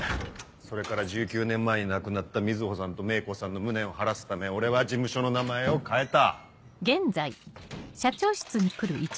それから１９年前に亡くなった水帆さんと芽衣子さんの無念を晴らすため俺は事務所の名前を変えた。